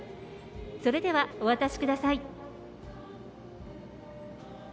それでは、お渡しください。